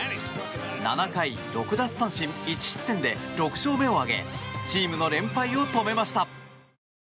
７回６奪三振１失点で６勝目を挙げチームの連敗を止めました。